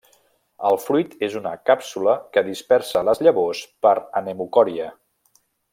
El fruit és una càpsula que dispersa les llavors per anemocòria.